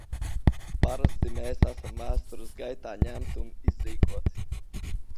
Parasti mēs esam vēstures gaitā ņemti un izrīkoti.